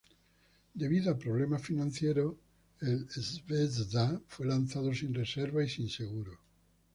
Debido a problemas financieros, el "Zvezda" fue lanzado sin reserva y sin seguro.